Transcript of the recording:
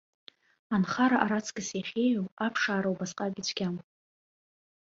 Анхара араҵкыс иахьеиӷьу аԥшаара усҟак ицәгьам.